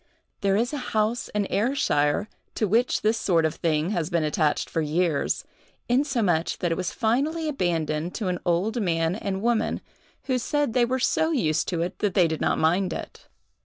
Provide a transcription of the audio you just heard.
There is a house in Ayrshire to which this sort of thing has been attached for years, insomuch that it was finally abandoned to an old man and woman, who said that they were so used to it that they did not mind it.